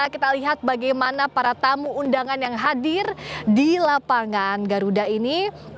kita lihat bagaimana para tamu undangan yang hadir di lapangan garuda ini